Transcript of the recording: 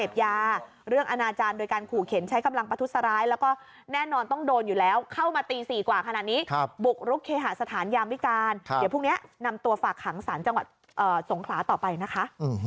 พยายามวิการเดี๋ยวพรุ่งนี้นำตัวฝากขังสารจังหวัดจงขวาต่อไปนะคะ